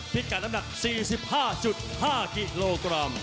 พิกัดน้ำหนัก๔๕๕กิโลกรัม